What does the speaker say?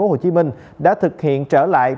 hồ chí minh đã thực hiện trở lại